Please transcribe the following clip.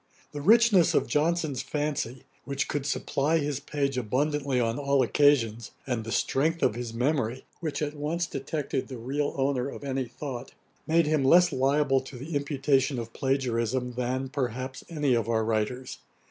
The richness of Johnson's fancy, which could supply his page abundantly on all occasions, and the strength of his memory, which at once detected the real owner of any thought, made him less liable to the imputation of plagiarism than, perhaps, any of our writers.